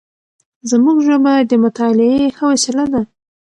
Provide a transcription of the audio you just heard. زموږ ژبه د مطالعې ښه وسیله ده.